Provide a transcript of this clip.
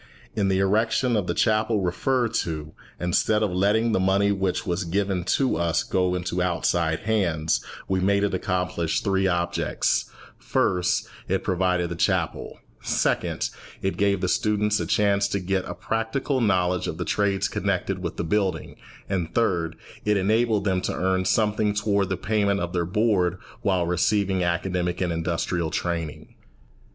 In the erection of the chapel referred to, instead of letting the money which was given to us go into outside hands, we made it accomplish three objects: first, it provided the chapel; second, it gave the students a chance to get a practical knowledge of the trades connected with the building; and, third, it enabled them to earn something toward the payment of their board while receiving academic and industrial training.